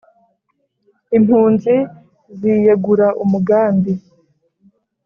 Impunzi ziyegura umugambi